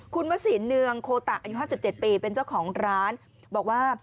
คุณวสินเนืองโคตะอายุ๕๗ปีเป็นเจ้าของร้านบอกว่า